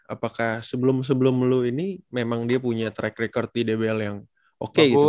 apakah sebelum melu ini memang dia punya track record di dbl yang oke gitu